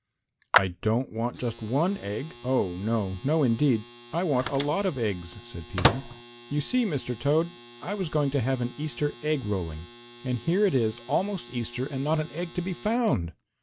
"I don't want just one egg, oh, no, no indeed! I want a lot of eggs," said Peter. "You see, Mr. Toad, I was going to have an Easter egg rolling, and here it is almost Easter and not an egg to be found!"